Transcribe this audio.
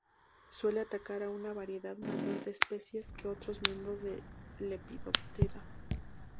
Suelen atacar a una variedad mayor de especies que otros miembros de Lepidoptera.